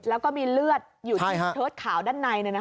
แล้วก็มีเลือดอยู่ที่เทิร์ดขาวด้านใน